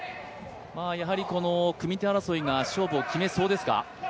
組み手争いが勝負を決めそうですか？